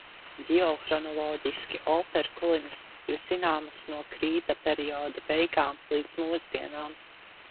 Ģeohronoloģiski operkulinas ir zināmas no krīta perioda beigām līdz mūsdienām.